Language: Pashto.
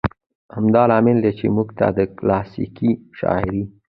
همدا لامل دى، چې موږ ته د کلاسيکې شاعرۍ